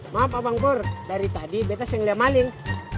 maaf abang pur dari tadi betes yang liat maling